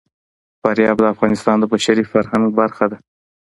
فاریاب د افغانستان د بشري فرهنګ برخه ده.